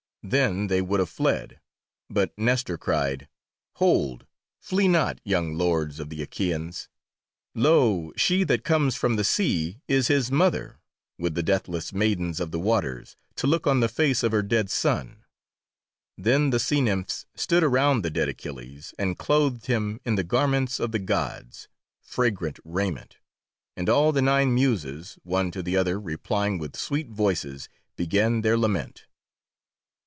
Then they would have fled, but Nestor cried: "Hold, flee not, young lords of the Achaeans! Lo, she that comes from the sea is his mother, with the deathless maidens of the waters, to look on the face of her dead son." Then the sea nymphs stood around the dead Achilles and clothed him in the garments of the Gods, fragrant raiment, and all the Nine Muses, one to the other replying with sweet voices, began their lament.